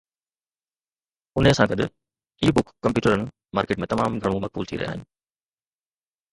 انهي سان گڏ، اي بک ڪمپيوٽرن مارڪيٽ ۾ تمام گهڻو مقبول ٿي رهيا آهن